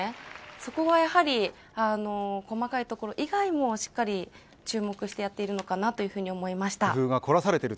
そこがやっぱり細かいところ以外も、しっかり注目してやっているのかなというふうに思いました。